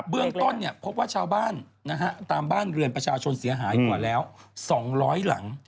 เบื้องต้นพบว่าชาวบ้านตามบ้านเรือนประชาชนเสียหายกว่าแล้ว๒๐๐หลัง